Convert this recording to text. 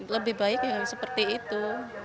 lebih baik ya seperti itu